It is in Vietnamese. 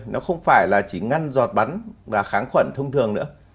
nó không phải là chỉ ngăn giọt bắn và kháng khuẩn thông thường nữa